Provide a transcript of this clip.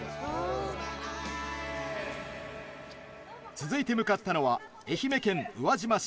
続いて向かったのは愛媛県宇和島市。